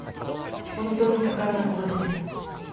本当に多感な頃でした。